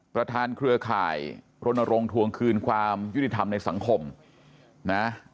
เครือข่ายรณรงค์ทวงคืนความยุติธรรมในสังคมนะ